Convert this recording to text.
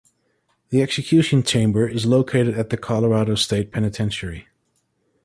The execution chamber is located at the Colorado State Penitentiary.